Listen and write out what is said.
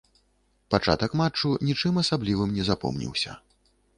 Пачатак матчу нічым асаблівым не запомніўся.